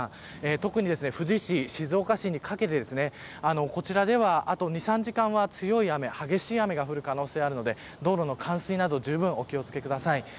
特に富士市、静岡市にかけてこちらではあと２、３時間は激しい雨が降る可能性があるので道路の冠水などにじゅうぶん注意してください。